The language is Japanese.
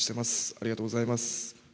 ありがとうございます。